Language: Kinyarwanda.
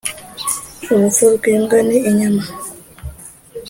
Urupfu rw’imbwa ni inyama.